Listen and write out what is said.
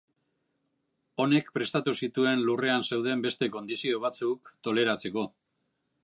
Honek prestatu zituen lurrean zeuden beste kondizio batzuk toleratzeko.